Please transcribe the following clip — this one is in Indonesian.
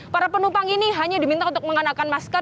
para penumpang ini hanya diminta untuk mengenakan masker